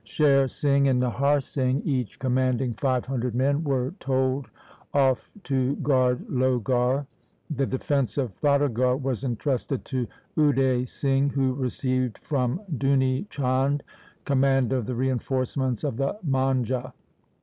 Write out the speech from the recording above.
Sher Singh and Nahar Singh, each commanding five hundred men, were told off to guard Lohgarh. The defence of Fatagarh was entrusted to Ude Singh, who received from Duni Chand command of the reinforcements of the Manjha.